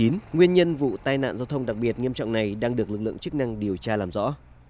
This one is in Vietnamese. nguyên nhân vụ tai nạn giao thông đặc biệt nghiêm trọng này đang được lực lượng chức năng điều tra làm rõ